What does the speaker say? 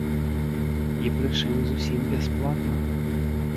І прычым зусім бясплатна!